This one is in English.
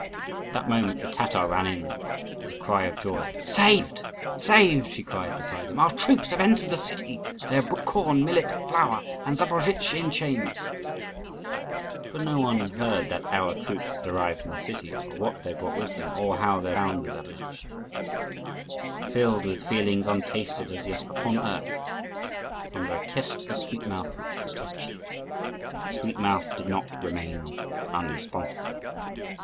At that moment the Tatar ran in with a cry of joy. "Saved, saved!" she cried, beside herself. "Our troops have entered the city. They have brought corn, millet, flour, and Zaporozhtzi in chains!" But no one heard that "our troops" had arrived in the city, or what they had brought with them, or how they had bound the Zaporozhtzi. Filled with feelings untasted as yet upon earth, Andrii kissed the sweet mouth which pressed his cheek, and the sweet mouth did not remain unresponsive.